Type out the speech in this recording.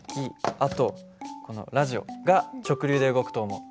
あとこのラジオが直流で動くと思う。